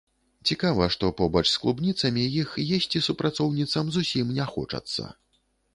Цікава, што побач з клубніцамі іх есці супрацоўніцам зусім не хочацца.